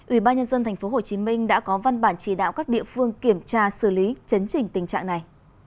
ủy ban nhân dân tp hcm đã có văn bản chỉ đạo các địa phương kiểm tra xử lý chấn chỉnh tình trạng này